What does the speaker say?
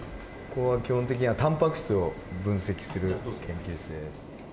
ここは基本的にはタンパク質を分析する研究室です。